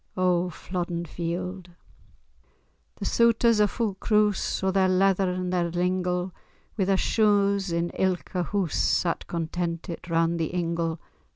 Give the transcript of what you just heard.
O Flodden Field! The souters a' fu' croose, O'er their leather and their lingle, Wi' their shoon in ilka hoose, Sat contentit round the ingle.